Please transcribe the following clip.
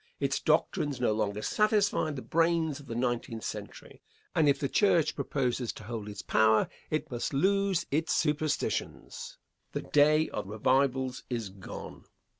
Its doctrines no longer satisfy the brains of the nineteenth century; and if the church proposes to hold its power, it must lose its superstitions. The day of revivals is gone.